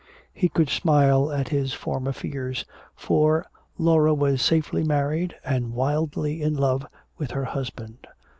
He could smile at his former fears, for Laura was safely married and wildly in love with her husband.